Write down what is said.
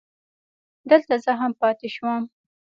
دلته زه هم پاتې شوم.